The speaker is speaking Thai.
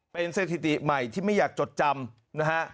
เป็นสถิติใหม่ที่ไม่อยากจดจำนะฮะ